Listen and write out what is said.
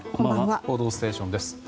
「報道ステーション」です。